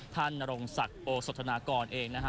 นรงศักดิ์โอสธนากรเองนะฮะ